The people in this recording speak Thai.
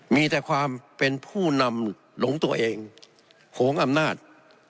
มีแต่ความเป็นผู้นำหลงตัวเองโหงอำนาจ